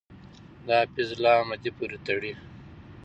د حفیظ الله احمدی پورې تړي .